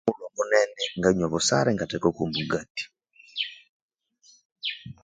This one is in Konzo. Omughulhu munene nganywa obusara ingathekako omugatti